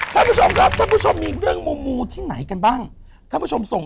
ท่านผู้ชมครับท่านผู้ชมมีเรื่องมูมูที่ไหนกันบ้างท่านผู้ชมส่ง